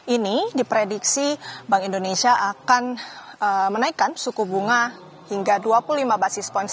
ini diprediksi bank indonesia akan menaikkan suku bunga hingga dua puluh lima basis point